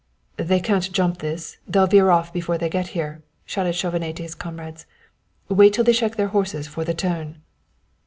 "They can't jump this they'll veer off before they get here," shouted Chauvenet to his comrades. "Wait till they check their horses for the turn."